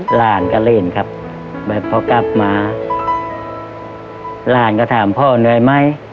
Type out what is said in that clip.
หลานก็เล่นครับแบบพอกลับมาหลานก็ถามพ่อเหนื่อยไหม